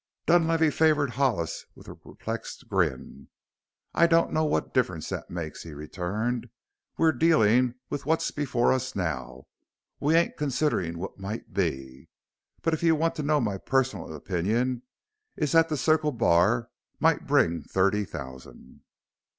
Dunlavey favored Hollis with a perplexed grin. "I don't know what difference that makes," he returned. "We're dealing with what's before us now we ain't considering what might be. But if you want to know my personal opinion it's that the Circle Bar might bring thirty thousand."